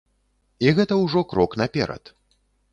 І гэта ўжо крок наперад.